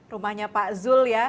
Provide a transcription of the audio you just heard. rumahnya pak zul